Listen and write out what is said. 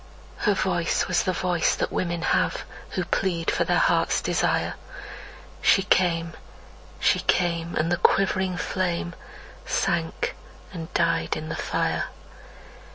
Her voice was the voice that women have, Who plead for their heart's desire. She came she came and the quivering flame Sank and died in the fire.